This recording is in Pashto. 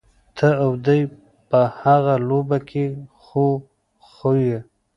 ته او دی په هغه لوبه کي خو خوئ.